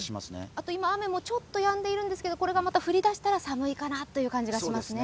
あと今、雨もちょっとやんでいるんですけど、これがまた降り出したら寒いかなという気がしますね。